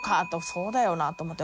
そうだよなと思って。